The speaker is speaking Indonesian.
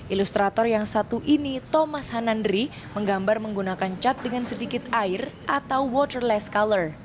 ilustrator yang satu ini thomas hanandri menggambar menggunakan cat dengan sedikit air atau waterless color